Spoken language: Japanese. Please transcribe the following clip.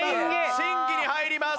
審議に入ります！